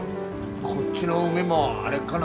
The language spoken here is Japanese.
こっちの海も荒れっかな。